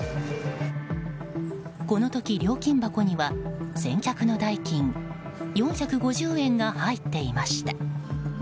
この時、料金箱には先客の代金４５０円が入っていました。